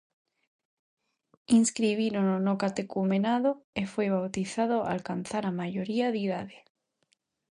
Inscribírono no catecumenado e foi bautizado ao alcanzar a maioría de idade.